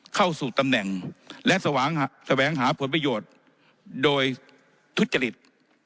เข้าสู่ตำแหน่งและแสวงหาแสวงหาผลประโยชน์โดยทุจจฤทธิ์